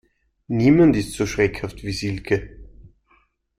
Niemand ist so schreckhaft wie Silke.